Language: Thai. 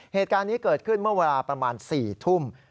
เหตุการณ์นี้เกิดขึ้นเมื่อเวลาประมาณ๔ทุ่ม